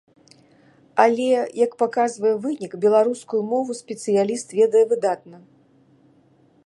Але, як паказвае вынік, беларускую мову спецыяліст ведае выдатна.